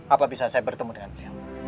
apa bisa saya bertemu dengan beliau